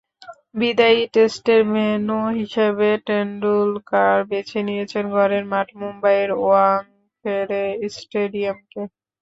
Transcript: বিদায়ী টেস্টের ভেন্যু হিসেবে টেন্ডুলকার বেছে নিয়েছেন ঘরের মাঠ মুম্বাইয়ের ওয়াংখেড়ে স্টেডিয়ামকে।